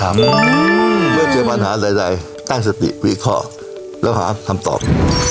เมื่อเจอปัญหาใดตั้งสติวิเคราะห์แล้วหาคำตอบ